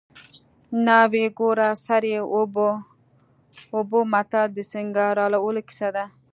ناوې ګوره سر یې اوبه متل د سینګارولو کیسه ده